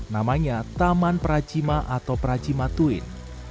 namanya taman pracima atau pracima twin